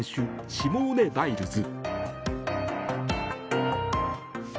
シモーネ・バイルズ。